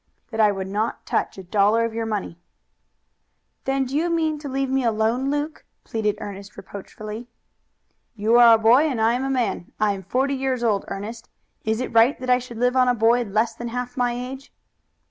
"That I would not touch a dollar of your money." "Then do you mean to leave me alone, Luke?" pleaded Ernest reproachfully. "You are a boy and I am a man. I'm forty years old, Ernest. Is it right that I should live on a boy less than half my age?"